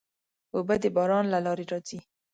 اوبه د باران له لارې راځي.